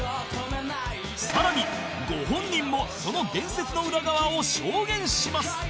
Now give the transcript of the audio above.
更にご本人もその伝説の裏側を証言します